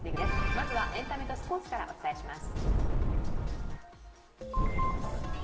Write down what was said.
まずはエンタメとスポーツからお伝えします。